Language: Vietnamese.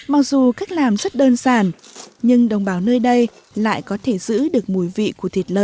mặc dù cách làm rất đơn giản nhưng đồng bào nơi đây lại có thể giữ được mùi vị của thịt lợn